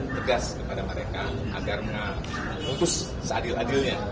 tegas kepada mereka agar memutus seadil adilnya